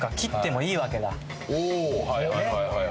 おはいはい。